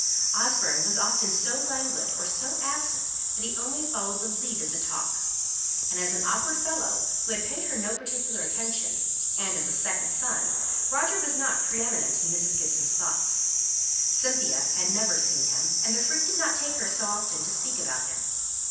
Osborne was often so languid or so absent that he only followed the lead of talk; and as an awkward fellow, who had paid her no particular attention, and as a second son, Roger was not pre eminent in Mrs. Gibson's thoughts; Cynthia had never seen him, and the freak did not take her often to speak about him.